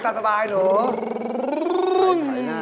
เล่นตัดสบายหนู